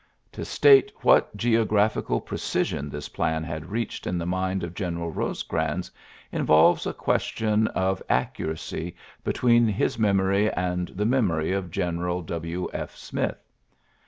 To state what geographical precision this plan had reached in the mind of General Bosecrans involves a question of accu racy between his memory and the mem ory of General W. P. Smith.